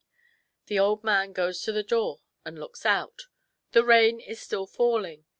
The old man goes to the door and looks out. The rain is still falling.